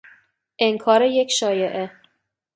انکار یک شایعه